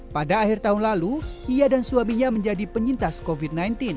pada akhir tahun lalu ia dan suaminya menjadi penyintas covid sembilan belas